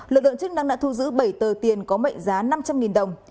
lực lượng chức năng đã thu giữ bảy tờ tiền có mệnh giá năm trăm linh đồng